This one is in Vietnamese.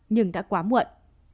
nhưng đã quá muộn